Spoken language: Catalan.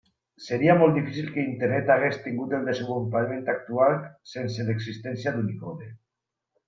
Seria molt difícil que Internet hagués tingut el desenvolupament actual sense l'existència d'Unicode.